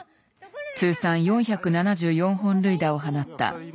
通算４７４本塁打を放った名野球選手。